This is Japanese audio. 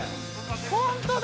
◆本当だ。